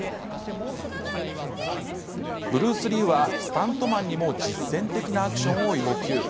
ブルース・リーはスタントマンにも実戦的なアクションを要求。